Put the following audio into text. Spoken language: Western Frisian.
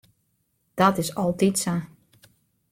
Dat is altyd sa.